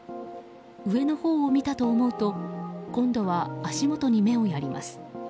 上のほうを見たと思うと今度は足元に目をやります。